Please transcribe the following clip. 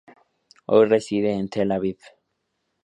Hoy reside en Tel Aviv.